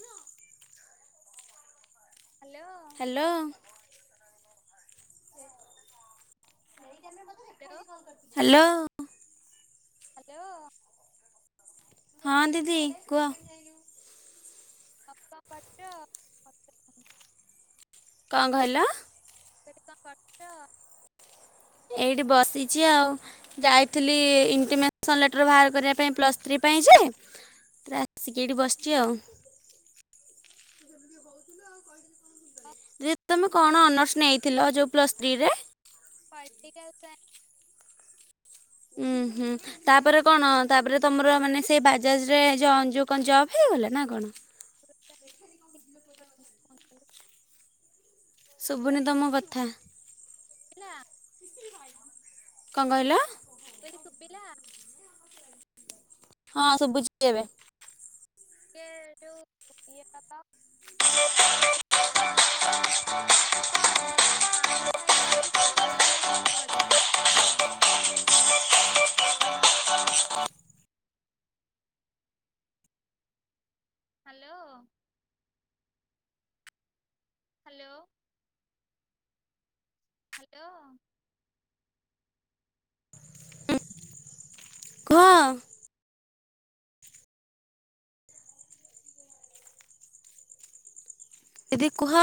Hello. Hello. Hello. Hello hello. Hello. ହଁ ଦିଦି କୁହ। ଆଉ କଣ କରୁଛ? କଁ କହିଲ? ମୁଁ କହିଲି କଣ କରୁଚ? ଏଇଠି ବସିଚି ଆଉ। ଯାଇଥିଲି ଇଣ୍ଟିମେସନ୍ ଲେଟର୍ ଭାର କରିବା ପାଇଁ ପ୍ଲସ୍ ଥ୍ରୀ ପାଇଁ ଯେ ପ୍ରା ଆସିକି ଏଇଠି ବସିଚି ଆଉ। ହଁ ଯେ ତମେ କଣ ଅନର୍ସ ନେଇଥିଲ ଯୋଉ ପ୍ଲସ୍ ଥ୍ରୀରେ? ପଲଟିକାଲ୍ ସା ଉୁଁ ହୁଁ ତାପରେ କଣ ତାପରେ ତମର ମାନେ ସେଇ ବାଜାଜ୍ ରେ ଜଁ ଯୋଉ କଁ ଜବ୍ ହେଇଗଲା ନାଁ ନାଁ କଣ? ସାଇନ୍ସ [inaudible] ଶୁବୁନି ତମ କଥା। ଇଲା କଁ କହିଲ? ମୁଁ ଅଇଲି ଶୁବିଲା? ହଁ ଶୁବୁଚି ଏବେ। ଇଏ ଯୋଉ ଇଏ ଟା ତ କୋଉଥିଲି କି ମୁଁ ଏନା ପ ତମ ଫୋନ୍ ରେ କଣ କଣ ମାଇକ୍ ଫାଇକି ବାଜୁଚି ନାଁ ସେଇଭଳିଆ ଗୀତ ବାଜୁ [unintelligible] ହାଲୋ। ହାଲୋ। ହାଲୋ। କୁହ। ଦିଦି କୁହ।